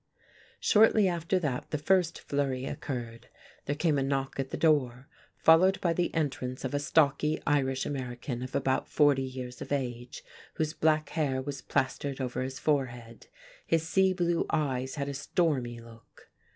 Shortly after that the first flurry occurred. There came a knock at the door, followed by the entrance of a stocky Irish American of about forty years of age, whose black hair was plastered over his forehead. His sea blue eyes had a stormy look.